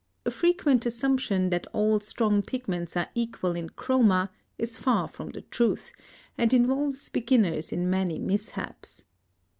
A frequent assumption that all strong pigments are equal in chroma, is far from the truth, and involves beginners in many mishaps.